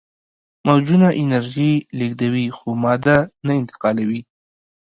موجونه انرژي لیږدوي خو ماده نه انتقالوي.